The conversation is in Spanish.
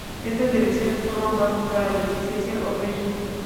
Estas directrices forman las bases para la Licencia Open Source.